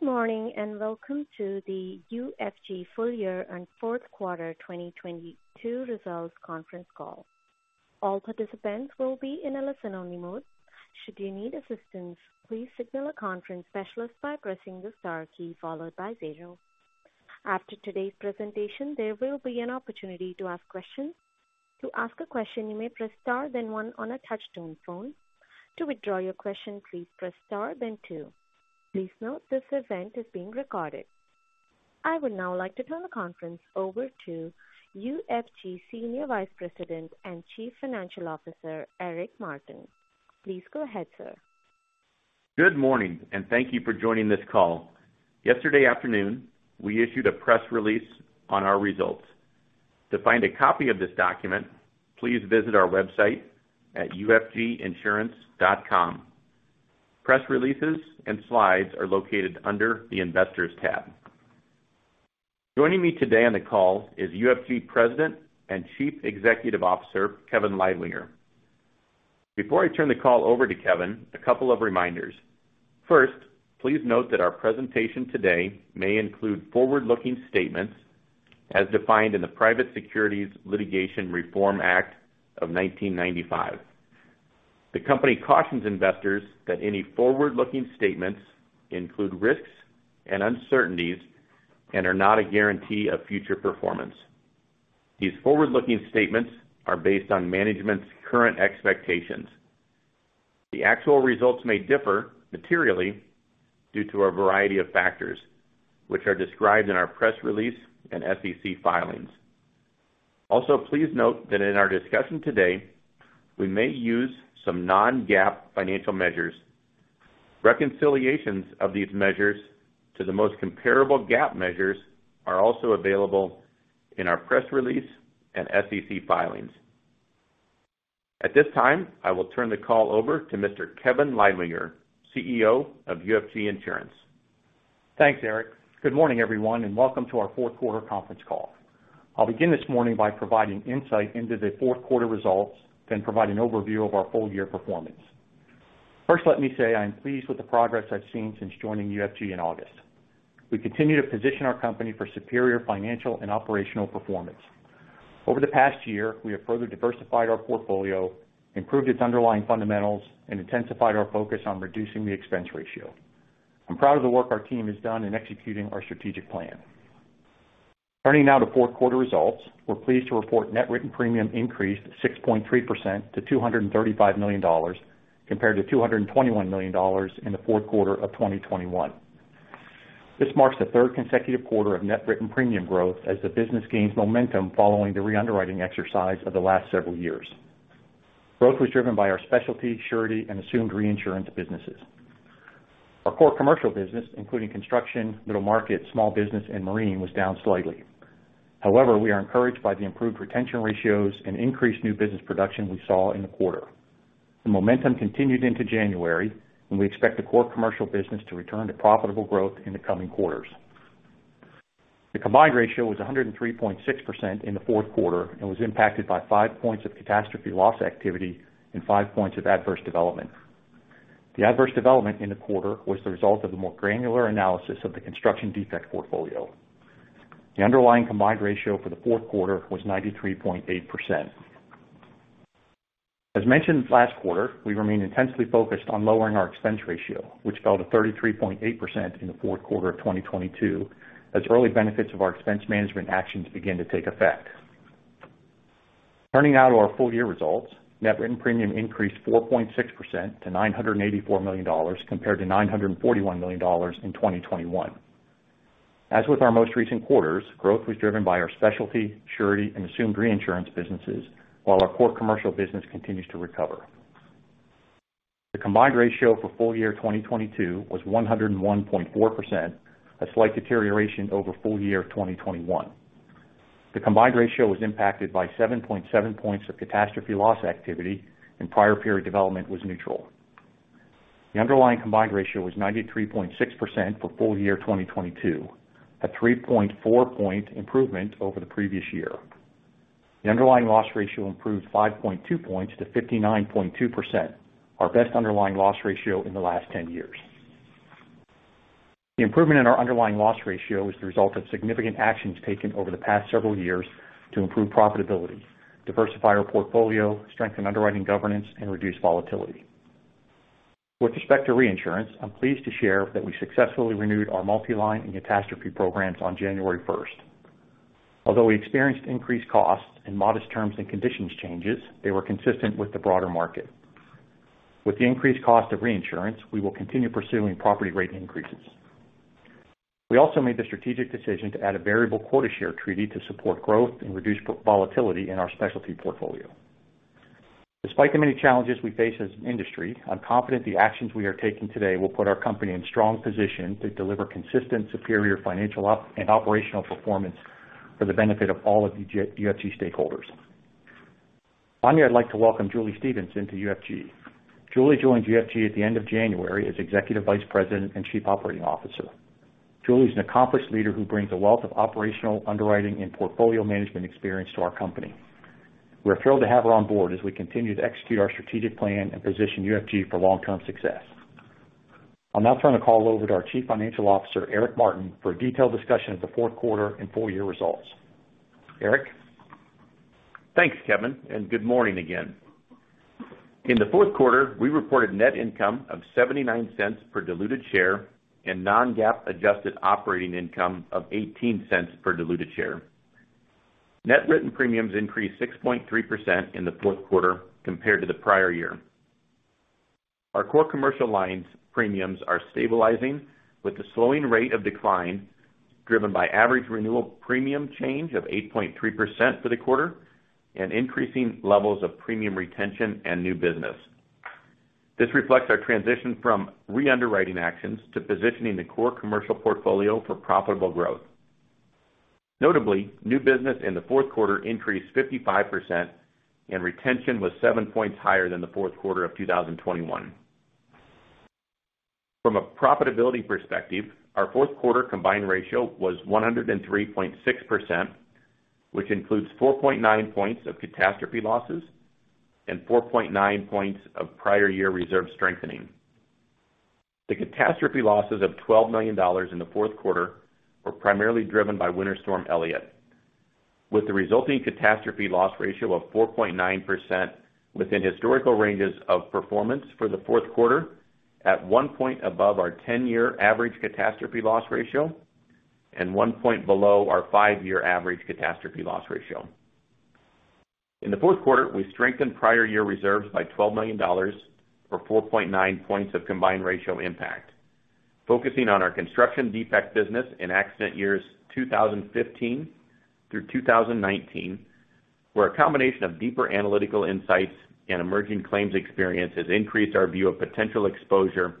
Good morning. Welcome to the UFG full year and fourth quarter 2022 results conference call. All participants will be in a listen-only mode. Should you need assistance, please signal a conference specialist by pressing the star key followed by 0. After today's presentation, there will be an opportunity to ask questions. To ask a question, you may press Star then 1 on a touch-tone phone. To withdraw your question, please press Star then 2. Please note this event is being recorded. I would now like to turn the conference over to UFG Senior Vice President and Chief Financial Officer, Eric Martin. Please go ahead, sir. Good morning. Thank you for joining this call. Yesterday afternoon, we issued a press release on our results. To find a copy of this document, please visit our website at ufginsurance.com. Press releases and slides are located under the Investors tab. Joining me today on the call is UFG President and Chief Executive Officer, Kevin Leidwinger. Before I turn the call over to Kevin, a couple of reminders. First, please note that our presentation today may include forward-looking statements as defined in the Private Securities Litigation Reform Act of 1995. The company cautions investors that any forward-looking statements include risks and uncertainties and are not a guarantee of future performance. These forward-looking statements are based on management's current expectations. The actual results may differ materially due to a variety of factors, which are described in our press release and SEC filings. Please note that in our discussion today, we may use some non-GAAP financial measures. Reconciliations of these measures to the most comparable GAAP measures are also available in our press release and SEC filings. At this time, I will turn the call over to Mr. Kevin Leidwinger, CEO of UFG Insurance. Thanks, Eric. Good morning, everyone, and welcome to our fourth quarter conference call. I'll begin this morning by providing insight into the fourth quarter results, then provide an overview of our full year performance. First, let me say I am pleased with the progress I've seen since joining UFG in August. We continue to position our company for superior financial and operational performance. Over the past year, we have further diversified our portfolio, improved its underlying fundamentals, and intensified our focus on reducing the expense ratio. I'm proud of the work our team has done in executing our strategic plan. Turning now to fourth quarter results We're pleased to report net written premium increased 6.3% to $235 million compared to $221 million in the fourth quarter of 2021. This marks the 3rd consecutive quarter of net written premium growth as the business gains momentum following the re-underwriting exercise of the last several years. Growth was driven by our specialty, surety, and assumed reinsurance businesses. Our core commercial business, including construction, middle market, small business, and marine, was down slightly. We are encouraged by the improved retention ratios and increased new business production we saw in the quarter. The momentum continued into January, and we expect the core commercial business to return to profitable growth in the coming quarters. The combined ratio was 103.6% in the fourth quarter and was impacted by 5 points of catastrophe loss activity and 5 points of adverse development. The adverse development in the quarter was the result of a more granular analysis of the construction defect portfolio. The underlying combined ratio for the fourth quarter was 93.8%. As mentioned last quarter, we remain intensely focused on lowering our expense ratio, which fell to 33.8% in the fourth quarter of 2022 as early benefits of our expense management actions begin to take effect. Turning now to our full-year results. Net written premium increased 4.6% to $984 million compared to $941 million in 2021. As with our most recent quarters, growth was driven by our specialty, surety, and assumed reinsurance businesses, while our core commercial business continues to recover. The combined ratio for full year 2022 was 101.4%, a slight deterioration over full year of 2021. The combined ratio was impacted by 7.7 points of catastrophe loss activity. Prior period development was neutral. The underlying combined ratio was 93.6% for full year 2022, a 3.4 point improvement over the previous year. The underlying loss ratio improved 5.2 points to 59.2%, our best underlying loss ratio in the last 10 years. The improvement in our underlying loss ratio is the result of significant actions taken over the past several years to improve profitability, diversify our portfolio, strengthen underwriting governance, and reduce volatility. With respect to reinsurance, I'm pleased to share that we successfully renewed our multiline and catastrophe programs on January 1st. We experienced increased costs and modest terms and conditions changes, they were consistent with the broader market. With the increased cost of reinsurance, we will continue pursuing property rate increases. We also made the strategic decision to add a variable quota share treaty to support growth and reduce volatility in our specialty portfolio. Despite the many challenges we face as an industry, I'm confident the actions we are taking today will put our company in strong position to deliver consistent, superior financial and operational performance for the benefit of all UFG stakeholders. I'd like to welcome Julie Stephenson to UFG. Julie joined UFG at the end of January as Executive Vice President and Chief Operating Officer. Julie is an accomplished leader who brings a wealth of operational underwriting and portfolio management experience to our company. We're thrilled to have her on board as we continue to execute our strategic plan and position UFG for long-term success. I'll now turn the call over to our Chief Financial Officer, Eric Martin, for a detailed discussion of the fourth quarter and full-year results. Eric? Thanks, Kevin. Good morning again. In the fourth quarter, we reported net income of $0.79 per diluted share and non-GAAP adjusted operating income of $0.18 per diluted share. Net written premiums increased 6.3% in the fourth quarter compared to the prior year. Our core Commercial lines premiums are stabilizing with the slowing rate of decline driven by average renewal premium change of 8.3% for the quarter and increasing levels of premium retention and new business. This reflects our transition from re-underwriting actions to positioning the core Commercial portfolio for profitable growth. Notably, new business in the fourth quarter increased 55% and retention was 7 points higher than the fourth quarter of 2021. From a profitability perspective, our fourth quarter combined ratio was 103.6%, which includes 4.9 points of catastrophe losses and 4.9 points of prior year reserve strengthening. The catastrophe losses of $12 million in the fourth quarter were primarily driven by Winter Storm Elliott, with the resulting catastrophe loss ratio of 4.9% within historical ranges of performance for the fourth quarter at 1 point above our 10-year average catastrophe loss ratio and 1 point below our 5-year average catastrophe loss ratio. In the fourth quarter, we strengthened prior year reserves by $12 million for 4.9 points of combined ratio impact, focusing on our construction defect business in accident years 2015 through 2019, where a combination of deeper analytical insights and emerging claims experience has increased our view of potential exposure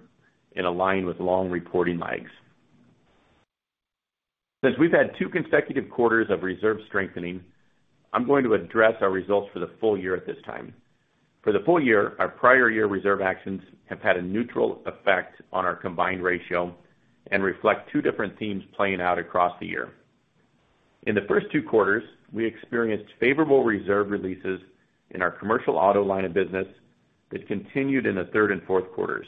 in a line with long reporting lags. Since we've had two consecutive quarters of reserve strengthening, I'm going to address our results for the full year at this time. For the full year, our prior year reserve actions have had a neutral effect on our combined ratio and reflect two different themes playing out across the year. In the first two quarters, we experienced favorable reserve releases in our Commercial Auto line of business that continued in the third and fourth quarters.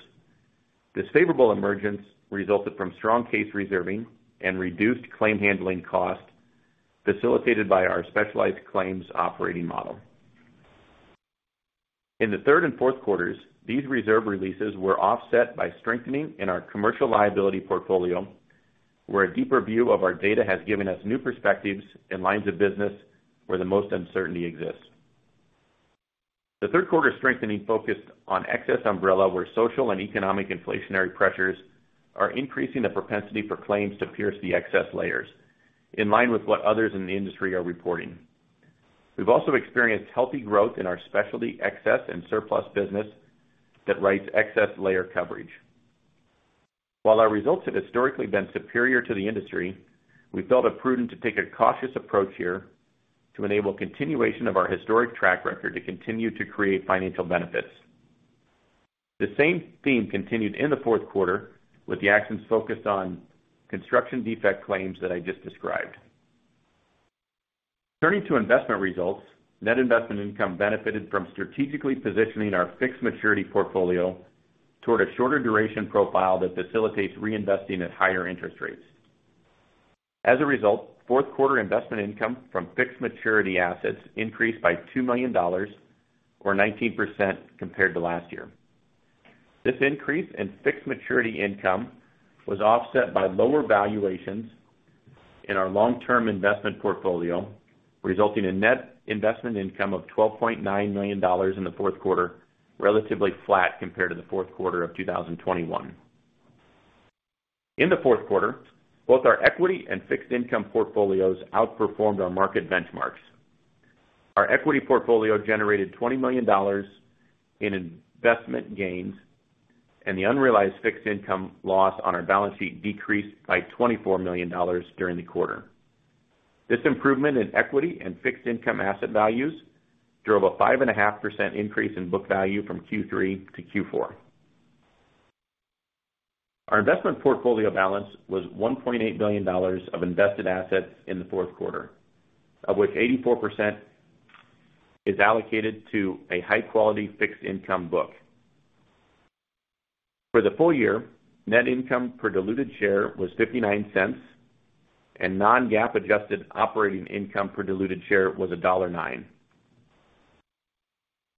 This favorable emergence resulted from strong case reserving and reduced claim handling costs facilitated by our specialized claims operating model. In the third and fourth quarters, these reserve releases were offset by strengthening in our Commercial Liability portfolio, where a deeper view of our data has given us new perspectives in lines of business where the most uncertainty exists. The third quarter strengthening focused on excess umbrella where social and economic inflationary pressures are increasing the propensity for claims to pierce the excess layers in line with what others in the industry are reporting. We've also experienced healthy growth in our specialty Excess and Surplus business that writes excess layer coverage. While our results have historically been superior to the industry, we felt it prudent to take a cautious approach here to enable continuation of our historic track record to continue to create financial benefits. The same theme continued in the fourth quarter with the actions focused on construction defect claims that I just described. Turning to investment results, net investment income benefited from strategically positioning our fixed-maturity portfolio toward a shorter duration profile that facilitates reinvesting at higher interest rates. Fourth quarter investment income from fixed-maturity assets increased by $2 million or 19% compared to last year. This increase in fixed-maturity income was offset by lower valuations in our long-term investment portfolio, resulting in net investment income of $12.9 million in the fourth quarter, relatively flat compared to the fourth quarter of 2021. In the fourth quarter, both our equity and fixed income portfolios outperformed our market benchmarks. Our equity portfolio generated $20 million in investment gains, and the unrealized fixed income loss on our balance sheet decreased by $24 million during the quarter. This improvement in equity and fixed income asset values drove a 5.5% increase in book value from Q3 to Q4. Our investment portfolio balance was $1.8 billion of invested assets in the fourth quarter, of which 84% is allocated to a high-quality fixed income book. For the full year, net income per diluted share was $0.59, and non-GAAP adjusted operating income per diluted share was $1.09.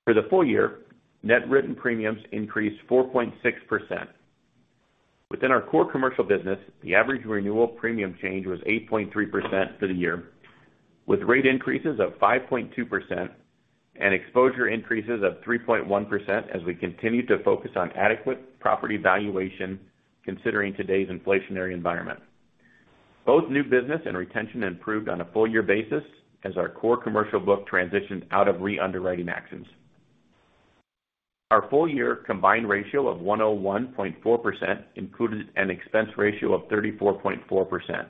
For the full year, net written premiums increased 4.6%. Within our core commercial business, the average renewal premium change was 8.3% for the year, with rate increases of 5.2% and exposure increases of 3.1% as we continue to focus on adequate property valuation considering today's inflationary environment. Both new business and retention improved on a full-year basis as our core commercial book transitioned out of re-underwriting actions. Our full-year combined ratio of 101.4% included an expense ratio of 34.4%.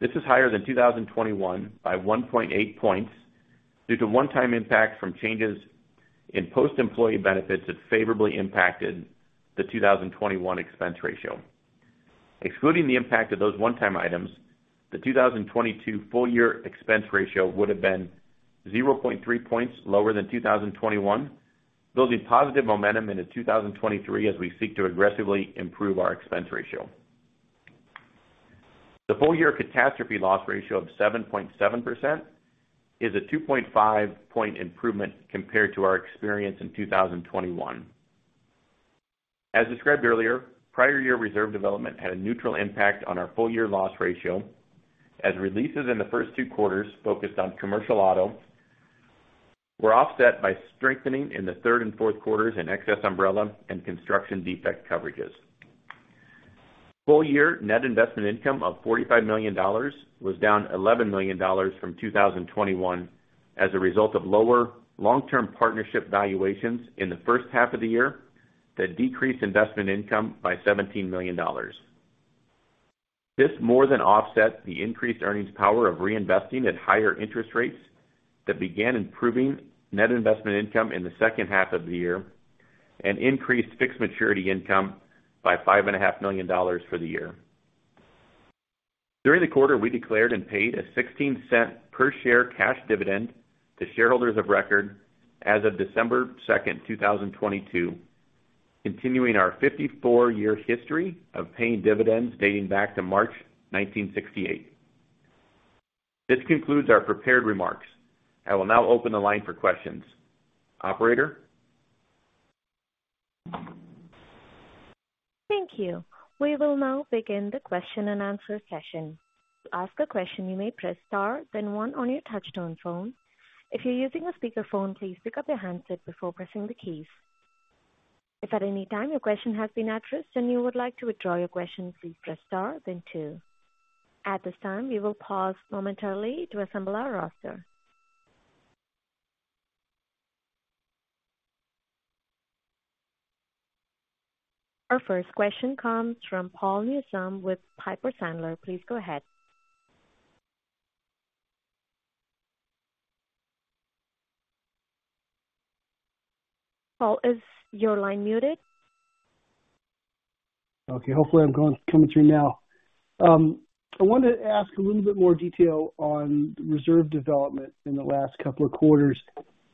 This is higher than 2021 by 1.8 points due to one-time impact from changes in post-employment benefits that favorably impacted the 2021 expense ratio. Excluding the impact of those one-time items, the 2022 full year expense ratio would have been 0.3 points lower than 2021, building positive momentum into 2023 as we seek to aggressively improve our expense ratio. The full year catastrophe loss ratio of 7.7% is a 2.5 point improvement compared to our experience in 2021. As described earlier, prior year reserve development had a neutral impact on our full year loss ratio, as releases in the first two quarters focused on commercial auto were offset by strengthening in the third and fourth quarters in excess umbrella and construction defect coverages. Full year net investment income of $45 million was down $11 million from 2021 as a result of lower long-term partnership valuations in the first half of the year that decreased investment income by $17 million. This more than offset the increased earnings power of reinvesting at higher interest rates that began improving net investment income in the second half of the year and increased fixed-maturity income by five and a half million dollars for the year. During the quarter, we declared and paid a $0.16 per share cash dividend to shareholders of record as of December 2nd, 2022, continuing our 54-year history of paying dividends dating back to March 1968. This concludes our prepared remarks. I will now open the line for questions. Operator? Thank you. We will now begin the question and answer session. To ask a question, you may press star, then one on your touch-tone phone. If you're using a speakerphone, please pick up your handset before pressing the keys. If at any time your question has been addressed, and you would like to withdraw your question, please press star then two. At this time, we will pause momentarily to assemble our roster. Our first question comes from Paul Newsome with Piper Sandler. Please go ahead. Paul, is your line muted? Okay. Hopefully I'm coming through now. I wanted to ask a little bit more detail on reserve development in the last couple of quarters.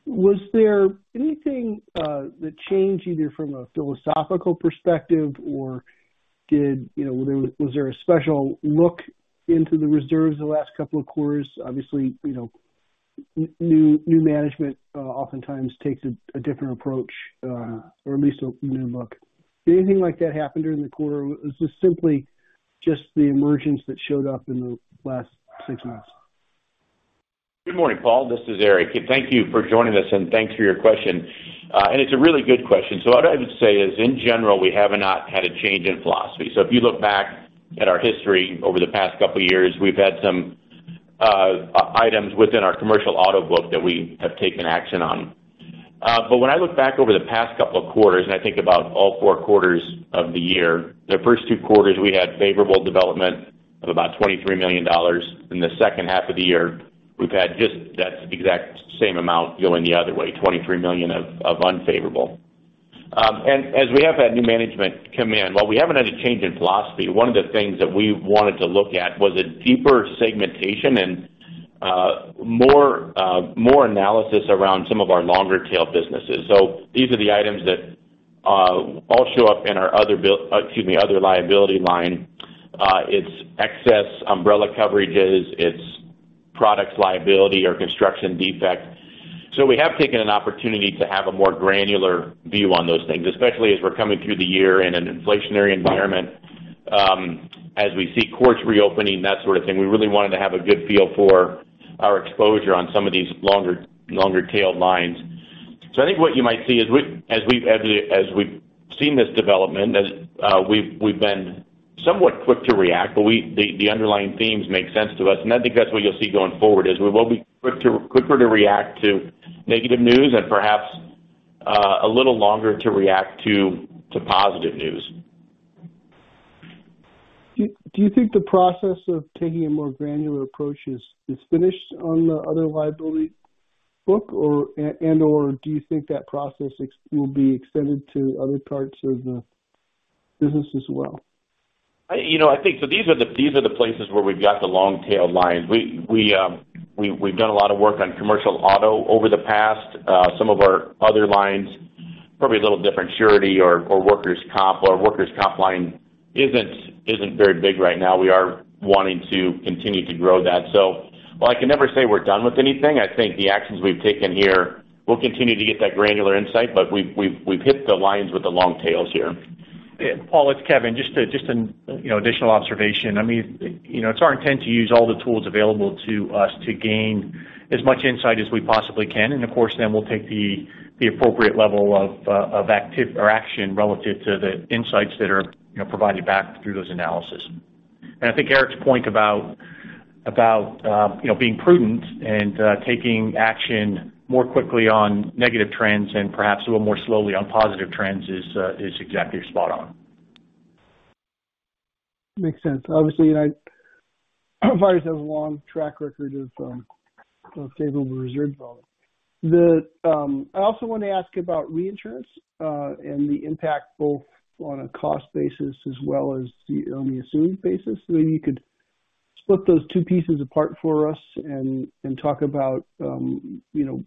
Was there anything that changed either from a philosophical perspective or did was there a special look into the reserves the last couple of quarters? Obviously, new management oftentimes takes a different approach or at least a new look. Did anything like that happen during the quarter? Was this simply just the emergence that showed up in the last six months? Good morning, Paul. This is Eric. Thank you for joining us, and thanks for your question. It's a really good question. What I would say is, in general, we have not had a change in philosophy. If you look back at our history over the past couple of years, we've had some items within our Commercial Auto book that we have taken action on. When I look back over the past couple of quarters, and I think about all four quarters of the year, the first two quarters we had favorable development of about $23 million. In the second half of the year, we've had just that exact same amount going the other way, $23 million of unfavorable. As we have had new management come in, while we haven't had a change in philosophy, one of the things that we wanted to look at was a deeper segmentation and more analysis around some of our longer tail businesses. These are the items that all show up in our Other Liability line. It's excess umbrella coverages. It's Products Liability or construction defect. We have taken an opportunity to have a more granular view on those things, especially as we're coming through the year in an inflationary environment. As we see courts reopening, that sort of thing, we really wanted to have a good feel for our exposure on some of these longer tailed lines. I think what you might see is as we've seen this development, as we've been somewhat quick to react, but the underlying themes make sense to us. I think that's what you'll see going forward, is we will be quicker to react to negative news and perhaps a little longer to react to positive news. Do you think the process of taking a more granular approach is finished on the Other Liability book or, and/or do you think that process will be extended to other parts of the business as well? I think. These are the places where we've got the long tail lines. We've done a lot of work on Commercial Auto over the past. Some of our other lines, probably a little different surety or workers' comp. Our workers' comp line isn't very big right now. We are wanting to continue to grow that. While I can never say we're done with anything, I think the actions we've taken here will continue to get that granular insight. We've hit the lines with the long tails here. Yeah. Paul, it's Kevin. Just an additional observation. I mean it's our intent to use all the tools available to us to gain as much insight as we possibly can. Of course, then we'll take the appropriate level of action relative to the insights that are, you know, provided back through those analysis. I think Eric's point about being prudent and taking action more quickly on negative trends and perhaps a little more slowly on positive trends is exactly spot on. Makes sense. Obviously, has a long track record of favorable reserve development. I also want to ask about reinsurance and the impact both on a cost basis as well as on the assumed basis. Maybe you could split those two pieces apart for us and talk about, you know,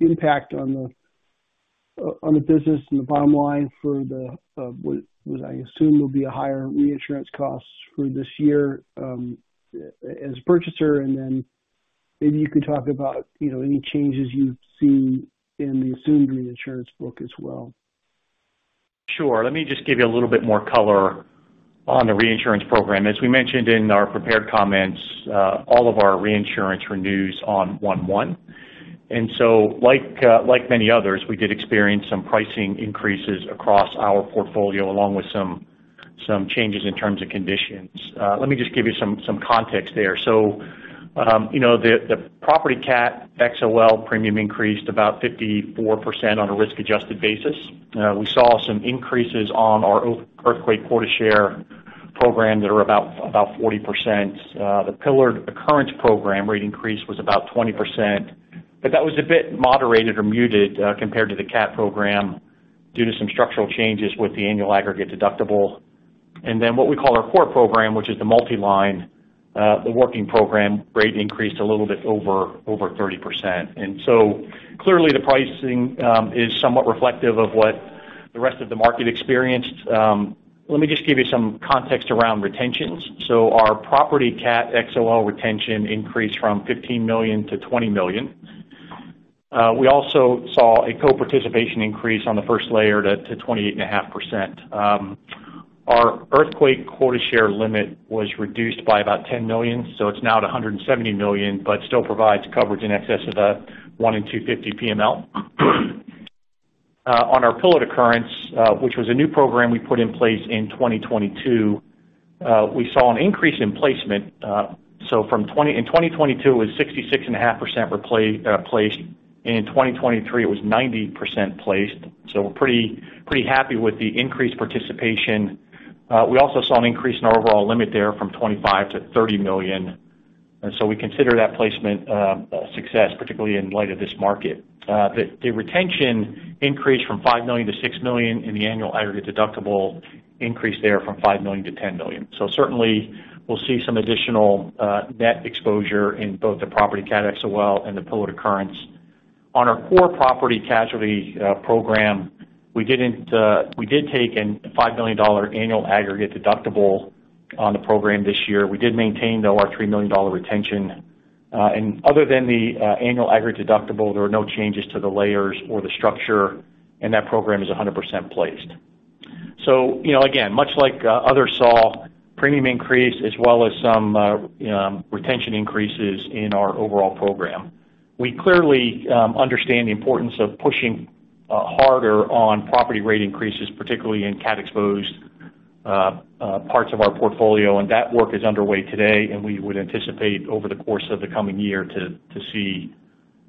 impact on the business and the bottom line for what I assume will be a higher reinsurance cost for this year as purchaser, and then maybe you could talk about, you know, any changes you've seen in the assumed reinsurance book as well. Sure. Let me just give you a little bit more color on the reinsurance program. As we mentioned in our prepared comments, all of our reinsurance renews on 1/1. Like many others, we did experience some pricing increases across our portfolio, along with some changes in terms of conditions. Let me just give you some context there. The Property Cat XOL premium increased about 54% on a risk-adjusted basis. We saw some increases on our Earthquake Quota Share program that are about 40%. The per occurrence program rate increase was about 20%, but that was a bit moderated or muted compared to the cat program due to some structural changes with the annual aggregate deductible. What we call our core program, which is the multi-line, the working program rate increased a little bit over 30%. Clearly the pricing is somewhat reflective of what the rest of the market experienced. Let me just give you some context around retentions. Our Property Cat XOL retention increased from $15 million to $20 million. We also saw a coinsurance increase on the first layer to 28.5%. Our Earthquake Quota Share limit was reduced by about $10 million, so it's now at $170 million, but still provides coverage in excess of 1 in 250 PML. On our pillar to occurrence, which was a new program we put in place in 2022, we saw an increase in placement. In 2022 it was 66.5% placed. In 2023 it was 90% placed. We're pretty happy with the increased participation. We also saw an increase in our overall limit there from $25 million to $30 million. We consider that placement a success, particularly in light of this market. The retention increased from $5 million to $6 million, and the annual aggregate deductible increased there from $5 million to $10 million. Certainly we'll see some additional net exposure in both the Property Cat XOL and the pillar to occurrence. On our core property casualty program, we did take an $5 million annual aggregate deductible on the program this year. We did maintain though our $3 million retention. Other than the annual aggregate deductible, there were no changes to the layers or the structure, and that program is 100% placed. Again, much like others saw premium increase as well as some retention increases in our overall program. We clearly understand the importance of pushing harder on property rate increases, particularly in cat exposed parts of our portfolio, and that work is underway today, and we would anticipate over the course of the coming year to see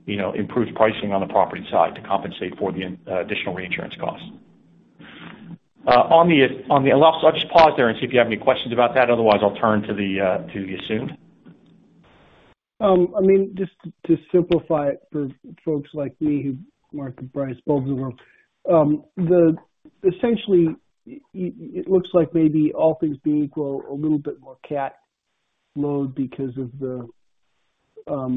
improved pricing on the property side to compensate for the additional reinsurance costs. I'll just pause there and see if you have any questions about that. I'll turn to the Newsome. I mean, just to simplify it for folks like me who mark the price below the world, essentially, it looks like maybe all things being equal, a little bit more cat load because of the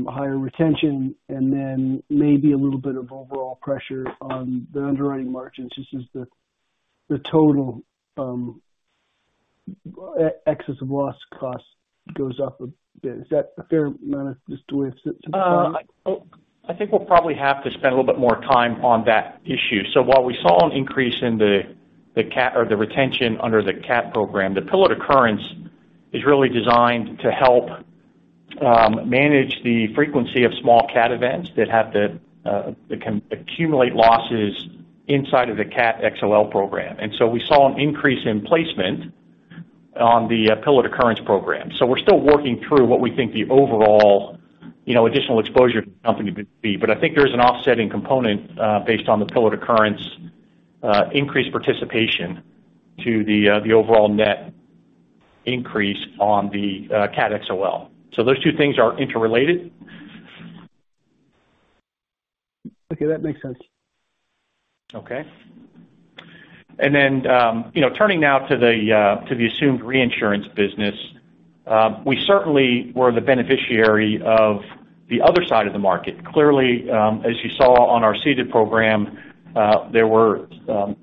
higher retention and then maybe a little bit of overall pressure on the underwriting margins. This is the total Excess of Loss cost goes up a bit. Is that a fair amount of just the way to simplify? I think we'll probably have to spend a little bit more time on that issue. While we saw an increase in the cat or the retention under the cat program, the pillar to occurrence is really designed to help manage the frequency of small cat events that have to that can accumulate losses inside of the cat XOL program. We saw an increase in placement on the pillar to occurrence program. We're still working through what we think the overall, you know, additional exposure to the company could be. I think there's an offsetting component based on the pillar to occurrence increased participation to the overall net increase on the cat XOL. Those two things are interrelated. Okay. That makes sense. Okay. Then turning now to the assumed reinsurance business, we certainly were the beneficiary of the other side of the market. Clearly, as you saw on our ceded program, there were,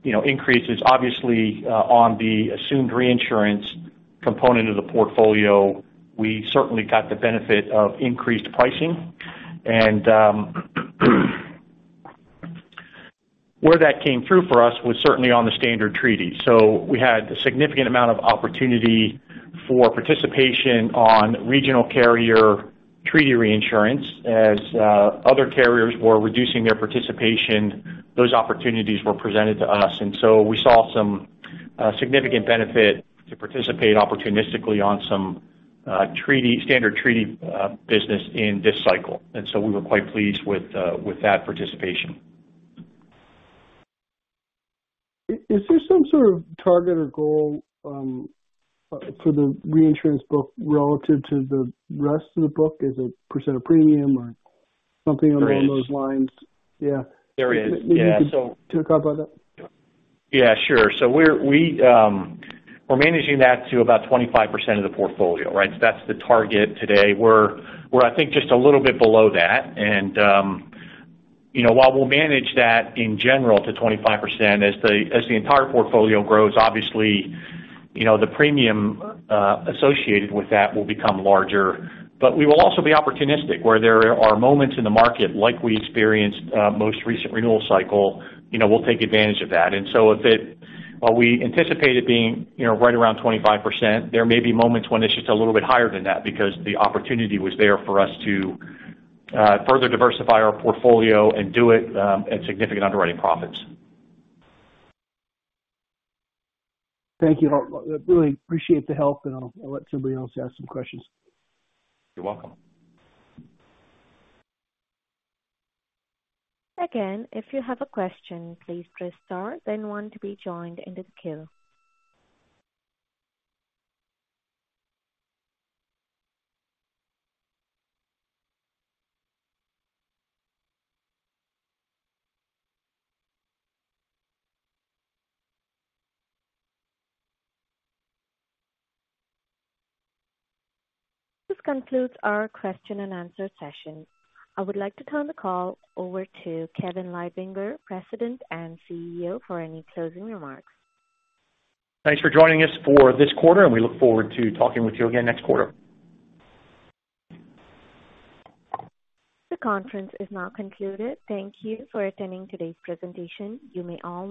you know, increases obviously, on the assumed reinsurance component of the portfolio. We certainly got the benefit of increased pricing. Where that came through for us was certainly on the standard treaty. We had a significant amount of opportunity for participation on regional carrier treaty reinsurance. As other carriers were reducing their participation, those opportunities were presented to us. We saw some significant benefit to participate opportunistically on some treaty, standard treaty, business in this cycle. We were quite pleased with that participation. Is there some sort of target or goal, for the reinsurance book relative to the rest of the book? Is it percent of premium or something along those lines? There is. Yeah. There is. Yeah. Maybe you could talk about that. Yeah, sure. We're managing that to about 25% of the portfolio, right? That's the target today. We're, I think just a little bit below that. You know, while we'll manage that in general to 25% as the, as the entire portfolio grows, obviously, you know, the premium associated with that will become larger. We will also be opportunistic where there are moments in the market like we experienced, most recent renewal cycle, you know, we'll take advantage of that. While we anticipate it being, you know, right around 25%, there may be moments when it's just a little bit higher than that because the opportunity was there for us to further diversify our portfolio and do it at significant underwriting profits. Thank you. I really appreciate the help, and I'll let somebody else ask some questions. You're welcome. If you have a question, please press star one to be joined into the queue. This concludes our question and answer session. I would like to turn the call over to Kevin Leidwinger, President and CEO, for any closing remarks. Thanks for joining us for this quarter and we look forward to talking with you again next quarter. The conference is now concluded. Thank you for attending today's presentation. You may all disconnect.